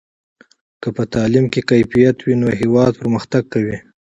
که په تعلیم کې کیفیت وي نو هېواد پرمختګ کوي.